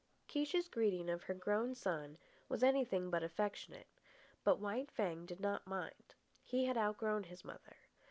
Kiche's greeting of her grown son was anything but affectionate. But White Fang did not mind. He had outgrown his mother.